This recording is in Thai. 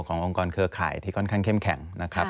องค์กรเครือข่ายที่ค่อนข้างเข้มแข็งนะครับ